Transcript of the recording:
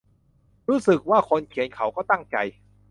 รู้สึกว่าคนเขียนเขาก็ตั้งใจ